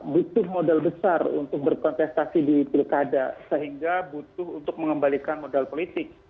butuh modal besar untuk berkontestasi di pilkada sehingga butuh untuk mengembalikan modal politik